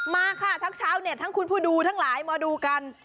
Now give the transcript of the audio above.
มาค่ะทั้งชาวเน็ตทั้งคุณผู้ดูทั้งหลายมาดูกัน